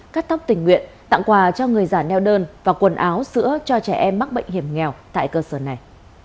cắt tóc tình nguyện tặng quà cho người già neo đơn và quần áo sữa cho trẻ em mắc bệnh hiểm nghèo tại cơ sở này